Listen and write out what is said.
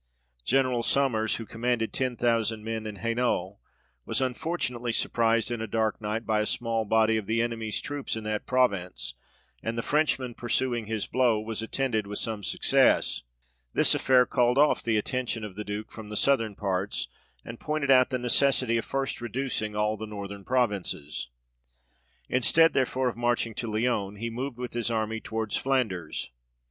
General Sommers, who commanded ten thousand men in Hainault, was unfortunately surprised in a dark night, by a small body of the enemies troops in that province, and the Frenchr man pursuing his blow, was attended with some success. This affair called off the attention of the Duke from the southern parts, and pointed out the necessity of first reducing all the northern provinces. Instead therefore of marching to Lyons, he moved with his army towards Flanders.